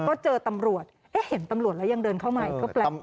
ก็เจอตำรวจเอ๊ะเห็นตำรวจแล้วยังเดินเข้ามาอีกก็แปลก